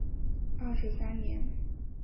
二十三年改隶德昌路。